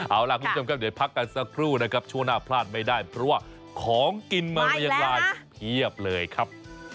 เอาล่ะคุณผู้ชมครับเดี๋ยวพักกันสักครู่นะครับช่วงหน้าพลาดไม่ได้เพราะว่าของกินมาเรียงลายเพียบเลยครับ